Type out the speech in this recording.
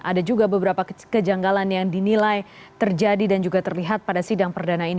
ada juga beberapa kejanggalan yang dinilai terjadi dan juga terlihat pada sidang perdana ini